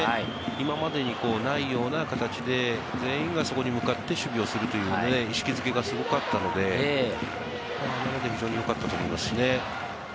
今までいないような形で、全員がそこに向かって守備をするという意識付けがすごかったので、非常によかったと思いますしね。